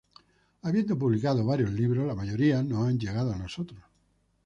Habiendo publicando varios libros, la mayoría no han llegado a nosotros.